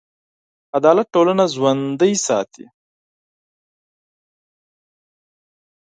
عدالت ټولنه ژوندي ساتي.